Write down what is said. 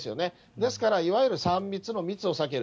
ですから、いわゆる３密の密を避ける。